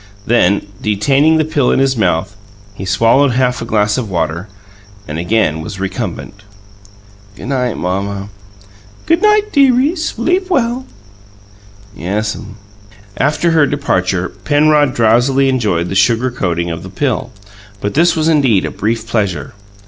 Then, detaining the pill in his mouth, he swallowed half a glass of water, and again was recumbent. "G' night, Mamma." "Good night, dearie. Sleep well." "Yes'm." After her departure Penrod drowsily enjoyed the sugar coating of the pill; but this was indeed a brief pleasure.